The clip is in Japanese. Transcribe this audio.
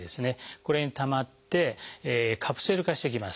これにたまってカプセル化してきます。